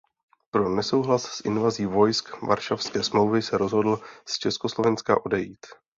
Pro nesouhlas s invazí vojsk Varšavské smlouvy se rozhodl z Československa odejít.